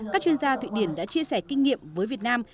các chuyên gia thụy điển đã chia sẻ kinh nghiệm với việt nam